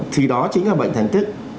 thì đó chính là bệnh thành tích